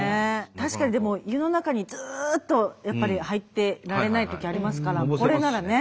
確かにでも湯の中にずっとやっぱり入ってられないときありますからこれならね。